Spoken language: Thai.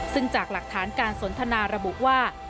ซึ่งจากหลักฐานการสนทนาระบุว่า